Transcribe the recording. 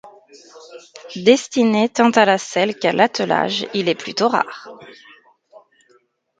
Destiné tant à la selle qu'à l'attelage, il est plutôt rare.